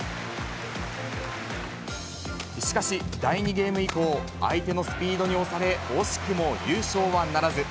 しかし、第２ゲーム以降、相手のスピードに押され、惜しくも優勝はならず。